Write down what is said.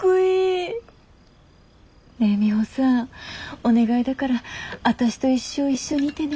ねぇミホさんお願いだから私と一生一緒にいてね。